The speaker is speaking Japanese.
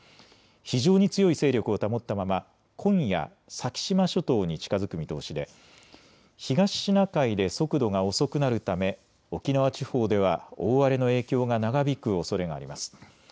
非常に強い勢力を保ったまま今夜、先島諸島に近づく見通しで東シナ海で速度が遅くなるため沖縄地方では大荒れの影響が長引くおそれがあります。